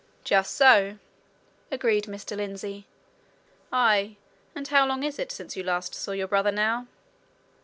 "Just so," agreed Mr. Lindsey. "Aye and how long is it since you last saw your brother, now?"